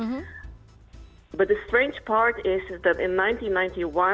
dan mulai mencari sebenarnya di file pengadopsi saya sendiri